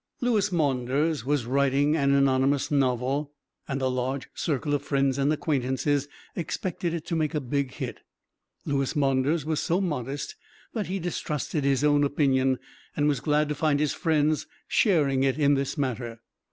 _ Louis Maunders was writing an anonymous novel, and a large circle of friends and acquaintances expected it to make a big hit. Louis Maunders was so modest that he distrusted his own opinion, and was glad to find his friends sharing it in this matter.